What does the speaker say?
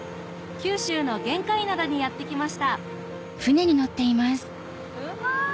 九州の玄界灘にやって来ましたうわ！